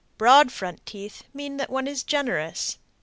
Broad front teeth mean that one is generous.